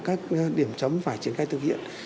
các điểm chấm phải triển khai thực hiện